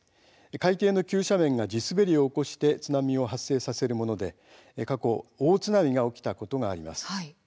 海底の急斜面が地滑りを起こして津波を発生させるもので過去、大津波が起きたことがあります。